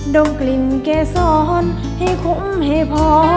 ดมกลิ่นแก้ซ้อนให้คุ้มให้พอ